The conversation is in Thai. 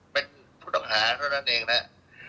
เป็นผู้ต้องหาเท่านั้นเองนะครับ